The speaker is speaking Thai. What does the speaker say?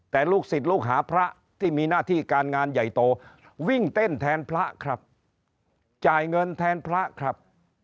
แต่ลูกศิษย์ลูกหาพระที่มีหน้าที่การงานใหญ่โตวิ่งเต้นแทนพระครับจ่ายเงินแทนพระครับ